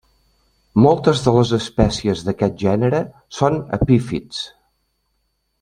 Moltes de les espècies d'aquest gènere són epífits.